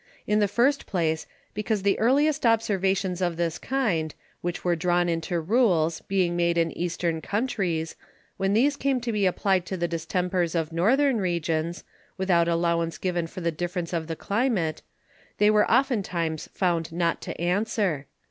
In the first place, because the earliest Observations of this kind, which were drawn into Rules being made in Eastern Countries, when these came to be applied to the Distempers of Northern Regions, without allowance given for the difference of the Climate, they were oftentimes found not to answer.